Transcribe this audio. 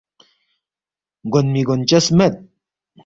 گونمی گونچس مید